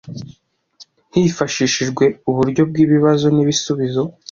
Hifashishijwe uburyo bw’ibibazo n’ibisubizo